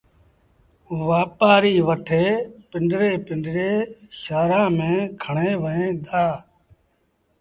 وآپآريٚ وٺي پنڊري پنڊري شآهرآݩ ميݩ کڻي وهيݩ دآ